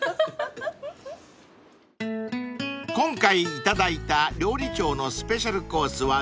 ［今回いただいた料理長のスペシャルコースは全９品］